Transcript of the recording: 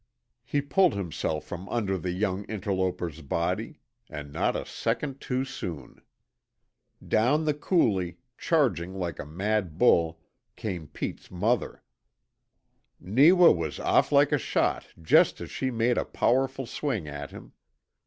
He pulled himself from under the young interloper's body and not a second too soon. Down the coulee, charging like a mad bull, came Pete's mother. Neewa was off like a shot just as she made a powerful swing at him.